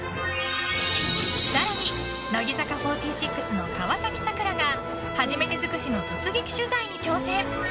さらに、乃木坂４６の川崎桜が初めて尽くしの突撃取材に挑戦。